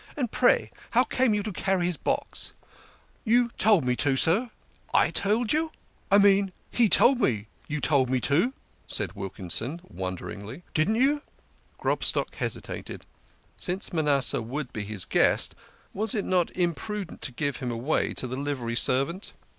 " And, pray, how came you to carry his box ?"" You told me to, sir !""/ told you !"" I mean he told me you told me to," said Wilkinson wonderingly. " Didn't you ?" Grobstock hesitated. Since Manasseh would be his guest, was it not imprudent to give him away to the livery servant?